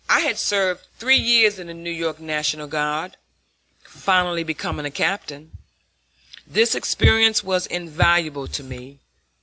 I had served three years in the New York National Guard, finally becoming a captain. This experience was invaluable to me.